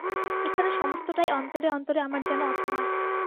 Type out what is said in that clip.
এখানে সমস্তটাই অন্তরে অন্তরে আমার যেন অপমান।